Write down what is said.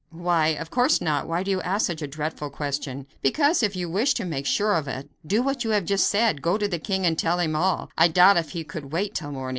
"Why! of course not; why do you ask such a dreadful question?" "Because, if you wish to make sure of it, do what you have just said go to the king and tell him all. I doubt if he could wait till morning.